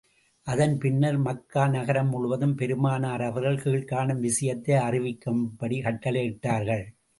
அதன் பின்னர், மக்கா நகரம் முழுவதும், பெருமானார் அவர்கள் கீழ்க்காணும் விஷயத்தை அறிவிக்கும்படி கட்டளையிட்டார்கள்.